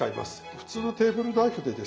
普通のテーブルナイフでですね